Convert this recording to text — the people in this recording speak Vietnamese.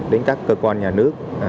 đến các cơ quan nhà nước